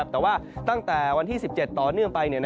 แต่ว่าตั้งแต่วันที่๑๗ต่อเนื่องไป